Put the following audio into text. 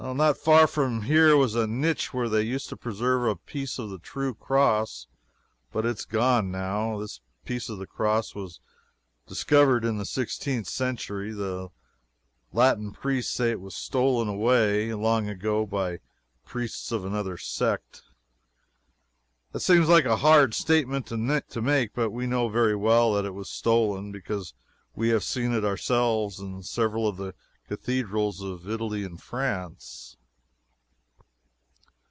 Not far from here was a niche where they used to preserve a piece of the True Cross, but it is gone, now. This piece of the cross was discovered in the sixteenth century. The Latin priests say it was stolen away, long ago, by priests of another sect. That seems like a hard statement to make, but we know very well that it was stolen, because we have seen it ourselves in several of the cathedrals of Italy and France.